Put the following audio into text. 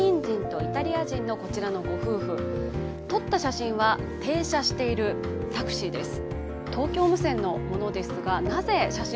撮った写真は停車しているタクシーです。